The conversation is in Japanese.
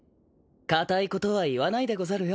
かたいことは言わないでござるよ。